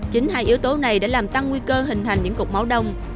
chính hai yếu tố này đã làm tăng nguy cơ hình thành những cục máu đông